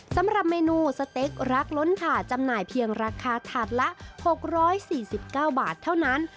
สำหรับเมนูสเต็กรักล้นถาดจำหน่ายเพียงราคาถาดละ๖๔๙บาทเท่านั้น